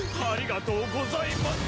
ありがとうございま。